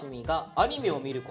アニメを見ること。